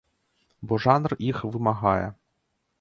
Бо жанр іх вымагае.